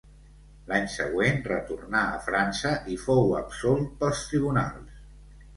L'any següent retornà a França i fou absolt pels tribunals.